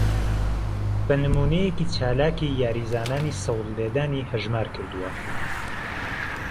به نموونهیهکى چالاکى یاریزانانى سهوڵ لێدانى ههژمار کردووه